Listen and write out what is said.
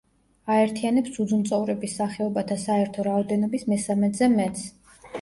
აერთიანებს ძუძუმწოვრების სახეობათა საერთო რაოდენობის მესამედზე მეტს.